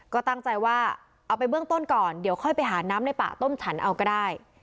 ก็ตั้งใจว่าเอาไปเบื้องต้นก่อนเดี๋ยวค่อยไปหาน้ำในป่าต้มฉันเอาก็ได้